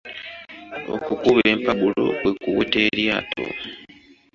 Okukuba empagulo kwe kuweta eryato.